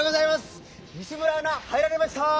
西村アナ入られました！